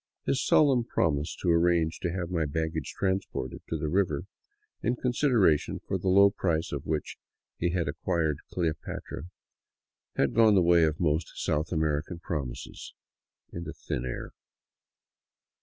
His solemn promise to arrange to have my baggage transported to the river in consideration for the low price at which he had acquired " Cleopatra " had gone the way of most South American promises — into thin air.